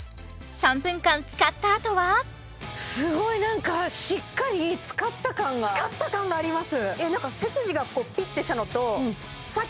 ３分間使ったあとはすごいなんか使った感があります！